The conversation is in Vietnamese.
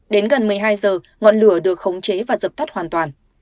đến gần một mươi hai h ngọn lửa được khống chế và dập thắt hoàn toàn